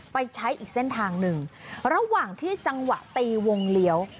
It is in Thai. ไปใช้อีกเส้นทางหนึ่งระหว่างที่จังหวะตีวงเลี้ยว